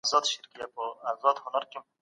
رښتينی انسان همېشه رښتيا وايي.